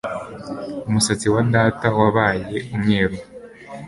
Umusatsi wa data wabaye umweru